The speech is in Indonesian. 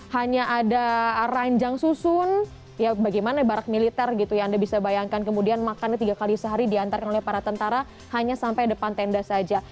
hanya ada ranjang susun ya bagaimana barak militer gitu ya anda bisa bayangkan kemudian makannya tiga kali sehari diantarkan oleh para tentara hanya sampai depan tenda saja